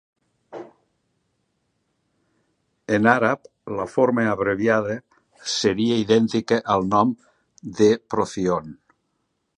En àrab, la forma abreviada seria idèntica al nom de Procyon.